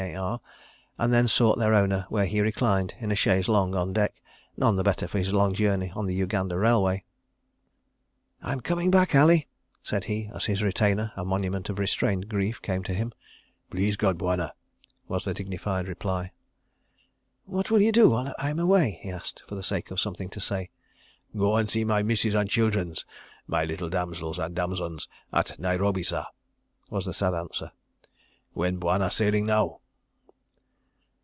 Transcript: A.R., and then sought their owner where he reclined in a chaise longue on deck, none the better for his long journey on the Uganda Railway. "I'm coming back, Ali," said he as his retainer, a monument of restrained grief, came to him. "Please God, Bwana," was the dignified reply. "What will you do while I am away?" he asked, for the sake of something to say. "Go and see my missus and childrens, my little damsels and damsons at Nairobi, sah," was the sad answer. "When Bwana sailing now?"